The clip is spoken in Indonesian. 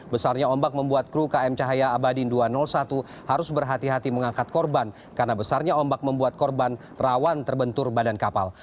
besarnya ombak membuat kru km cahaya abadin dua ratus satu harus berhati hati mengangkat korban karena besarnya ombak membuat korban rawan terbentur badan kapal